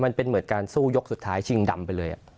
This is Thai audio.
มันเป็นเหมือนการสู้ยกสุดท้ายชิงดำไปเลย